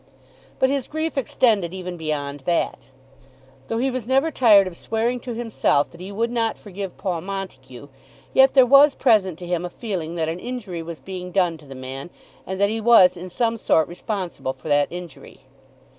But his grief extended even beyond that. Though he was never tired of swearing to himself that he would not forgive Paul Montague, yet there was present to him a feeling that an injury was being done to the man, and that he was in some sort responsible for that injury.